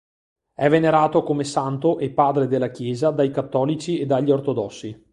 È venerato come santo e Padre della Chiesa dai cattolici e dagli ortodossi.